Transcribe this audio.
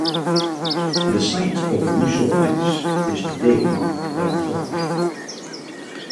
The site of 'Rousseau House' is today marked by a plaque.